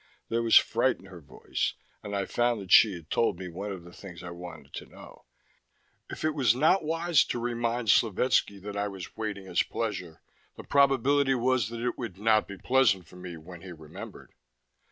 There was fright in her voice; and I found that she had told me one of the things I wanted to know. If it was not wise to remind Slovetski that I was waiting his pleasure, the probability was that it would not be pleasant for me when he remembered.